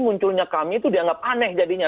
munculnya kami itu dianggap aneh jadinya